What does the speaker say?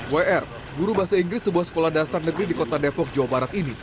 wr guru bahasa inggris sebuah sekolah dasar negeri di kota depok jawa barat ini